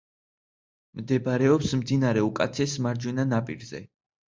მდებარეობს მდინარე ოკაცეს მარჯვენა ნაპირზე.